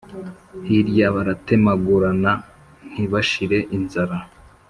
Hirya baratemagurana, ntibashire inzara,